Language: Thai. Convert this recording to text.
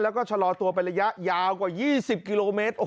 แล้วก็ชะลอตัวเป็นระยะยาวกว่า๒๐กิโลเมตร